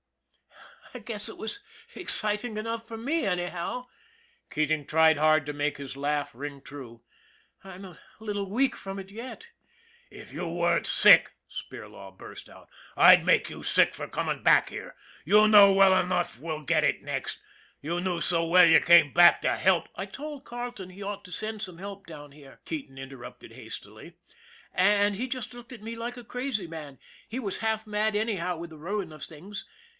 " I guess it was exciting enough for me, anyhow " Keating tried hard to make his laugh ring true. " I'm a little weak from it yet." " If you weren't sick," Spirlaw burst out, " I'd make you sick for comin' back here. You know well enough we'll get it next you knew so well you came back to help " I told Carleton he ought to send some help down here," Keating interrupted hastily; "and he just looked at me like a crazy man he was half mad any how with the ruin of things.